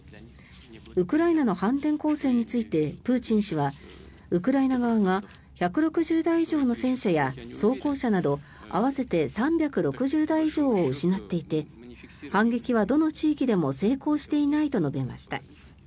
ウクライナの反転攻勢についてプーチン氏はウクライナ側が１６０台以上の戦車や装甲車など合わせて３６０台以上を失っていて反撃はどの地域でも成功していないと述べました。